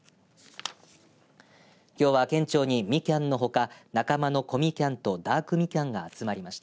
きょうは県庁にみきゃんのほか仲間のこみきゃんとダークみきゃんが集まりました。